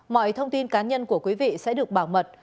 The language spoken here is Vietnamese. mọi thông tin cá nhân của quý vị sẽ được bảo mật